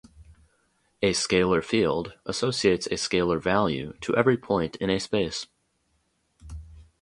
A scalar field associates a scalar value to every point in a space.